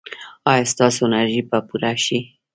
ایا ستاسو انرژي به پوره شي؟